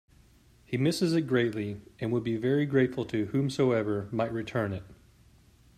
He misses it greatly and would be very grateful to whomsoever might return it.